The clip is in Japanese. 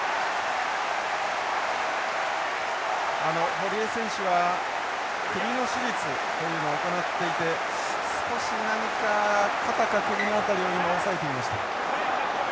堀江選手は首の手術を行っていて少し何か肩か首の辺りを今押さえていました。